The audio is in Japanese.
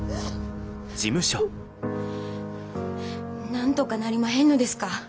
なんとかなりまへんのですか。